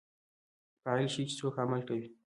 فاعل ښيي، چي څوک عمل کوي.